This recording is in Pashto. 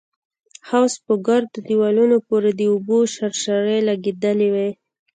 د حوض په ګردو دېوالونو پورې د اوبو شرشرې لگېدلې وې.